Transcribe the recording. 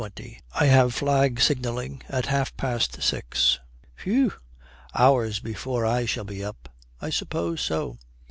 I have flag signalling at half past six.' 'Phew! Hours before I shall be up.' 'I suppose so.'